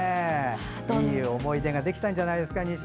いい思い出ができたんじゃないですか。